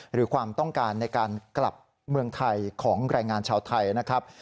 หรือความต้องการในการกลับเมืองไทยของแรงงานชาวไทยนะครับ